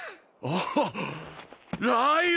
ああ